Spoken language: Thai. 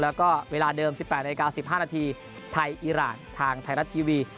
แล้วก็เวลาเดิม๑๘นาฬิกา๑๕นาทีไทยอีรานทางไทยรัฐทีวี